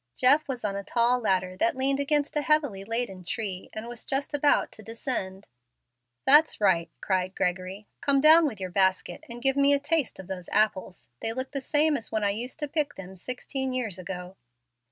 Jeff was on a tall ladder that leaned against a heavily laden tree, and was just about to descend. "That's right," cried Gregory; "come down with your basket and give me a taste of those apples. They look the same as when I used to pick them sixteen years ago."